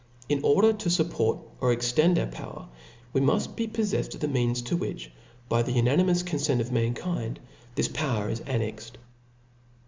In order to extend or fupport our power, we muft be poflefled of the means to which, by the unanimous confentof man*, kind, diis power is annexed.